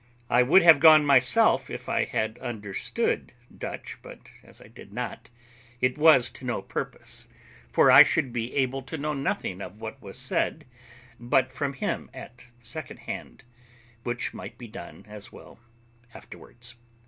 I would have gone myself if I had understood Dutch, but as I did not, it was to no purpose, for I should be able to know nothing of what was said but from him at second hand, which might be done as well afterwards.